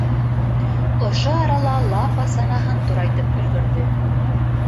Ошо арала Лапа санаһын турайтып өлгөрҙө.